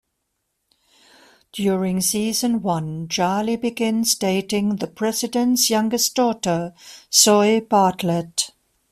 During season one, Charlie begins dating the President's youngest daughter, Zoey Bartlet.